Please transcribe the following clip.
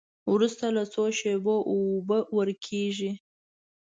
وروسته له څو شېبو اوبه ورکیږي.